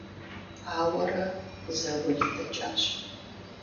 Ауэрэ заул дэкӀащ.